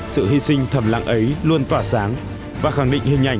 sự hy sinh thầm lặng ấy luôn tỏa sáng và khẳng định hình ảnh